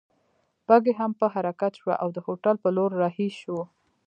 بګۍ هم په حرکت شوه او د هوټل په لور رهي شوو.